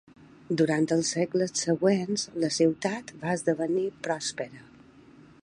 Durant els segles següents, la ciutat va esdevenir pròspera.